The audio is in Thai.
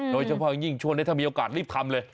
โดยเฉพาะอย่างยิ่งช่วงนี้ถ้ามีโอกาสรีบทำเลย